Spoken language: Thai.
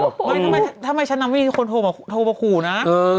ไม่ทำไมฉันไม่มีคนโทรมาขู่นะ